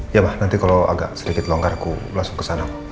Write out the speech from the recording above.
iya ma nanti kalau agak sedikit longgar aku langsung ke sana